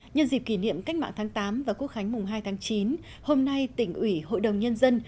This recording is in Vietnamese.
nhân dịp kỷ niệm cách mạng tháng tám và quốc khánh mùng hai tháng chín hôm nay tỉnh ủy hội đồng nhân dân